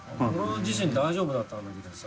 脅大丈夫だったんだけどさ。